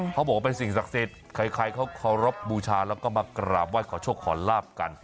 เขาบอกว่าเป็นสิ่งศักดิ์สิทธิ์ใครเขาเคารพบูชาแล้วก็มากราบไห้ขอโชคขอลาบกัน